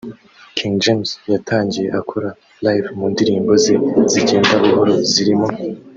King James yatangiye akora live mu ndirimbo ze zigenda buhoro zirimo